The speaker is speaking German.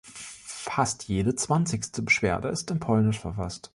Fast jede zwanzigste Beschwerde ist in Polnisch verfasst.